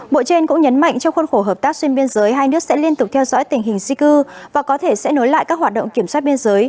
bộ trên cũng nhấn mạnh trong khuôn khổ hợp tác xuyên biên giới hai nước sẽ liên tục theo dõi tình hình di cư và có thể sẽ nối lại các hoạt động kiểm soát biên giới